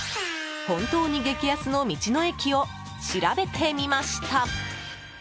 本当に激安の道の駅を調べてみました。